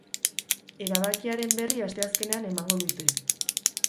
Erabakiaren berri asteazkenean emango dute.